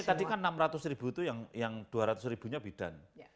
tadi kan enam ratus ribu itu yang dua ratus ribunya bidan